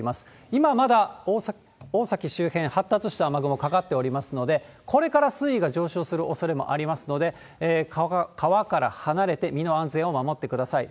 今、まだ大崎周辺、発達した雨雲かかっておりますので、これから水位が上昇するおそれもありますので、川から離れて、身の安全を守ってください。